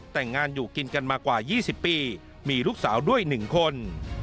แต่งงานอยู่กินกันมากว่า๒๐ปีมีลูกสาวด้วย๑คน